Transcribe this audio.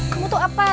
kamu tuh apa